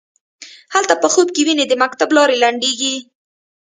هلک په خوب کې ویني د مکتب لارې لنډیږې